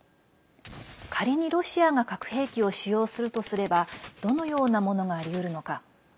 仮にロシアが核兵器を使用するとすればどのようなものがありうるのか。